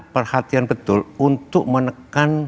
perhatian betul untuk menekan